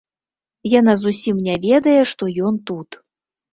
Яна зусім не ведае, што ён тут.